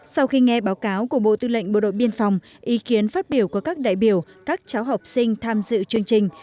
sau khi nghe báo cáo của bộ tư lệnh bộ đội biên phòng ý kiến phát biểu của các đại biểu các cháu học sinh tham dự chương trình